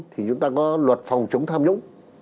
thì chúng ta có luật phòng chống tham nhũng